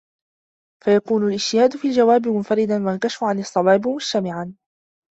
فَيَكُونَ الِاجْتِهَادُ فِي الْجَوَابِ مُنْفَرِدًا وَالْكَشْفُ عَنْ الصَّوَابِ مُجْتَمِعًا